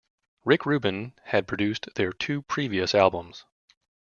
Rick Rubin had produced their two previous albums.